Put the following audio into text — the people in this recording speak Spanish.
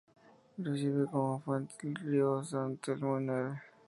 Recibe como afluente el río San Telmo y Nueve.